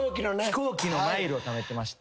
飛行機のマイルをためてまして。